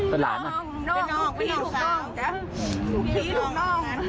เป็นหลานนะ